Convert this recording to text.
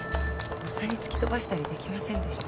とっさに突き飛ばしたりできませんでした。